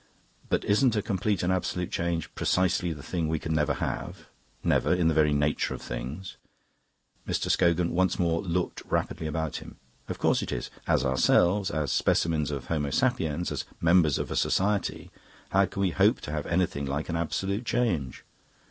But isn't a complete and absolute change precisely the thing we can never have never, in the very nature of things?" Mr. Scogan once more looked rapidly about him. "Of course it is. As ourselves, as specimens of Homo Sapiens, as members of a society, how can we hope to have anything like an absolute change?